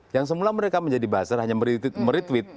yang semula mereka menjadi buzzer hanya meretweet